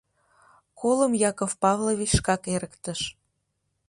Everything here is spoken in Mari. Колым Яков Павлович шкак эрыктыш.